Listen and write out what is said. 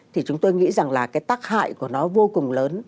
thì chúng tôi nghĩ rằng là cái tác hại của nó vô cùng lớn